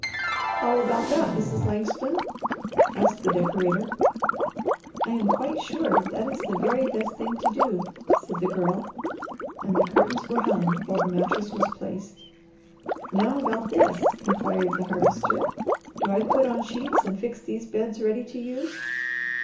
"How about that, Mrs. Langston?" asked the decorator. "I am quite sure that is the very best thing to do," said the Girl; and the curtains were hung while the mattress was placed. "Now about this?" inquired the Harvester. "Do I put on sheets and fix these beds ready to use?"